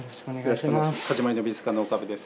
はじまりの美術館の岡部です。